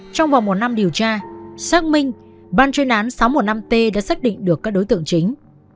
trong vòng một năm điều tra xác minh ban chuyên án sáu trăm một mươi năm t đã xác định được các đối tượng chính